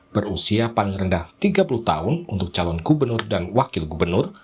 berusia paling rendah tiga puluh tahun untuk calon gubernur dan wakil gubernur